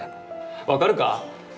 分かるか？